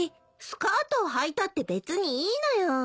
スカートをはいたって別にいいのよ。